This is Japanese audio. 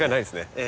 ええ。